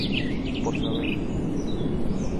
Por saber.